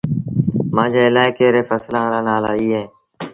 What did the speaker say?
مآݩجي الآڪي ري ڦسلآن رآ نآلآ اي اهيݩ ۔